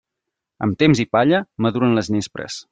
Amb temps i palla maduren les nespres.